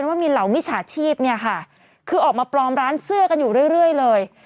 ว่ามีเหล่ามิจฉาชีพเนี่ยค่ะคือออกมาปลอมร้านเสื้อกันอยู่เรื่อยเลย